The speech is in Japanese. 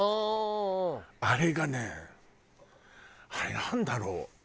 あれがねあれなんだろう？